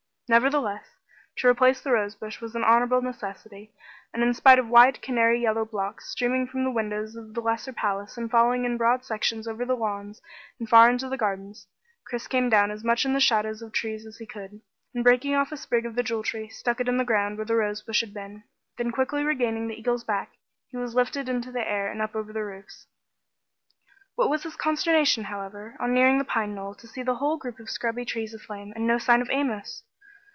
Nevertheless, to replace the rosebush was an honorable necessity, and in spite of wide canary yellow blocks streaming from the windows of the lesser palace and falling in broad sections over the lawns and far into the gardens, Chris came down as much in the shadow of trees as he could, and breaking off a sprig of the Jewel Tree, stuck it in the ground where the rosebush had been. Then quickly regaining the eagle's back, he was lifted into the air and up over the roofs. What was his consternation, however, on nearing the pine knoll, to see the whole group of scrubby trees aflame, and no sign of Amos!